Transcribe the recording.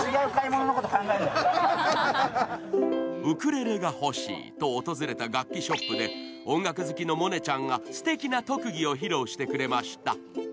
ウクレレが欲しいと訪れた楽器ショップで音楽好きの萌音ちゃんがすてきな特技を披露してくれました